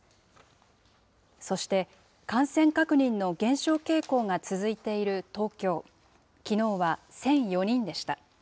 そして感染確認の減少傾向が続いている東京、きのうは１００４人でした。